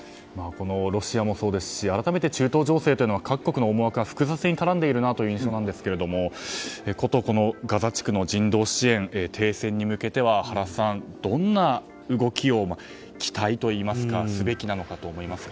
ロシアもそうですし改めて中東情勢というのは各国の思惑が複雑に絡んでいる印象なんですがこのガザ地区の人道支援停戦に向けては原さんどんな動きを期待といいますかすべきなのかと思いますか。